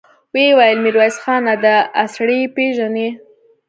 ويې ويل: ميرويس خانه! دآسړی پېژنې؟